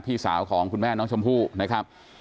พี่สาวของคุณแม่น้องชมพู่นะครับ